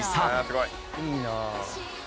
いいなぁ。